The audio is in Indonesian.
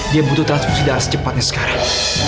dia butuh transfusi darah secepatnya sekarang